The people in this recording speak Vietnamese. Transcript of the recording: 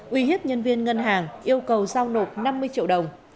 uy hiếp nhân viên ngân hàng yêu cầu giao nộp năm mươi triệu đồng